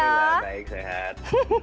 alhamdulillah baik sehat